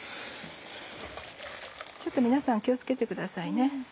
ちょっと皆さん気を付けてくださいね。